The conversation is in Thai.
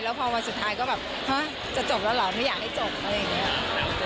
แล้วพอวันสุดท้ายก็แบบจะจบแล้วเหรอไม่อยากให้จบ